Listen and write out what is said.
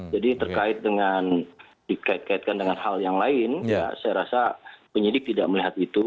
jadi terkait dengan dikaitkan dengan hal yang lain saya rasa penyidik tidak melihat itu